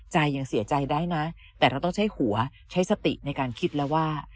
ยังเสียใจได้นะแต่เราต้องใช้หัวใช้สติในการคิดแล้วว่า